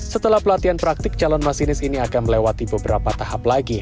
setelah pelatihan praktik calon masinis ini akan melewati beberapa tahap lagi